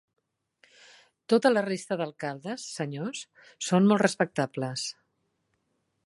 Tota la resta d'alcaldes senyors són Molt respectables.